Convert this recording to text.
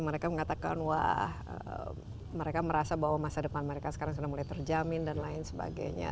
mereka mengatakan wah mereka merasa bahwa masa depan mereka sekarang sudah mulai terjamin dan lain sebagainya